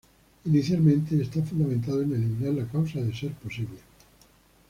Inicialmente está fundamentado en eliminar la causa, de ser posible.